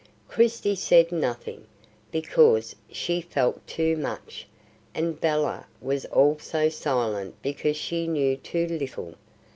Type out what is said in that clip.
Christie said nothing, because she felt too much; and Bella was also silent because she knew too little.